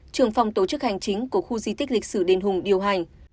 trường phòng tổ chức hành chính của khu di tích lịch sử đền hùng điều hành